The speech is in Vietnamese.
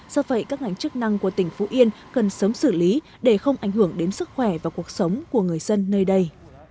do vậy các ngành chức năng của tỉnh phú yên cần sớm xử lý để không ảnh hưởng đến sức khỏe và cuộc sống của người dân nơi đây